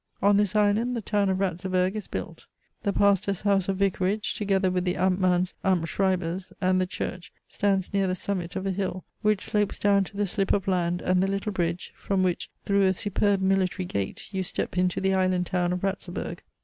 On this island the town of Ratzeburg is built. The pastor's house or vicarage, together with the Amtmann's Amtsschreiber's, and the church, stands near the summit of a hill, which slopes down to the slip of land and the little bridge, from which, through a superb military gate, you step into the island town of Ratzeburg.